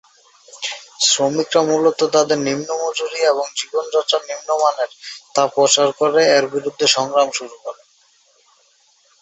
শ্রমিকরা মূলত তাদের নিম্ন মজুরি এবং জীবনযাত্রার নিম্ন মানের তা প্রচার করে এর বিরুদ্ধে সংগ্রাম শুরু করে।